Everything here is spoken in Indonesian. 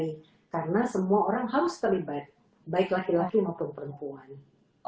karena semua orang harus terlibat baik laki laki maupun perempuan